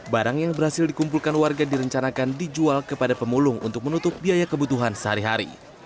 barang yang berhasil dikumpulkan warga direncanakan dijual kepada pemulung untuk menutup biaya kebutuhan sehari hari